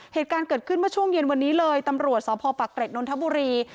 เหตุการณ์เกิดขึ้นเมื่อช่วงเย็นวันนี้เลยตำรวจสพปักเกร็ดนนทบุรี